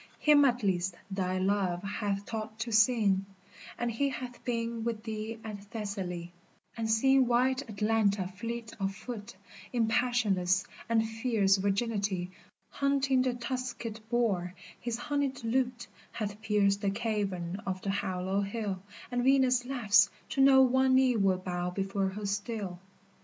him at least thy love hath taught to sing, And he hath been with thee at Thessaly, And seen white Atalanta fleet of foot In passionless and fierce virginity Hunting the tusked boar, his honied lute Hath pierced the cavern of the hollow hill, And Venus laughs to know one knee will bow before her still.